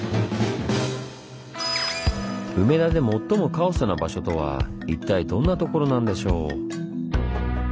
梅田で最もカオスな場所とは一体どんなところなんでしょう？